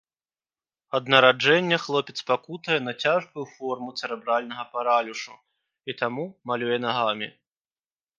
Ад нараджэння хлопец пакутуе на цяжкую форму цэрэбральнага паралюшу і таму малюе нагамі.